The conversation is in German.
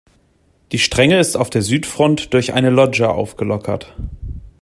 Die Strenge ist auf der Südfront durch eine Loggia aufgelockert.